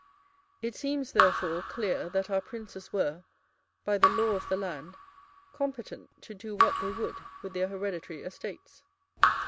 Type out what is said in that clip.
It seems, therefore, clear that our princes were, by the law of the land, competent to do what they would with their hereditary estates.